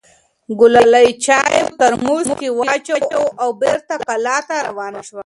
ګلالۍ چای په ترموز کې واچوه او بېرته کلا ته روانه شوه.